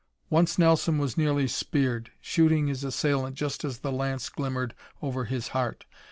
Once Nelson was nearly speared, shooting his assailant just as the lance glimmered over his heart.